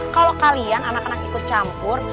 kalau kalian anak anak ikut campur